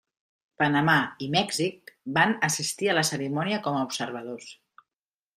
Panamà i Mèxic van assistir a la cerimònia com a observadors.